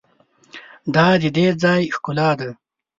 دا د دې ځای ښکلا ده.